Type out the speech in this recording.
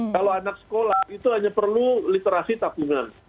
kalau anak sekolah itu hanya perlu literasi tabungan